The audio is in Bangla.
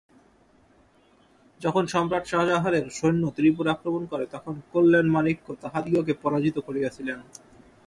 যখন সম্রাট শাজাহানের সৈন্য ত্রিপুরা আক্রমণ করে, তখন কল্যাণমাণিক্য তাহাদিগকে পরাজিত করিয়াছিলেন।